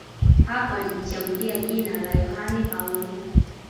Hapo alijichagulia jina la Yohane Paulo